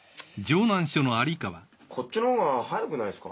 こっちのほうが早くないすか？